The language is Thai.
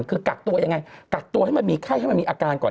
คือกักตัวยังไงกักตัวให้มันมีไข้ให้มันมีอาการก่อน